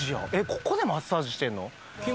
ここでマッサージしてんの？